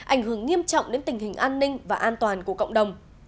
ảnh hưởng nghiêm trọng đến tình hình an ninh và an toàn của cộng đồng